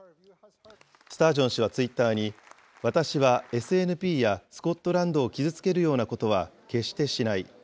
スタージョン氏はツイッターに、私はＳＮＰやスコットランドを傷つけるようなことは決してしない。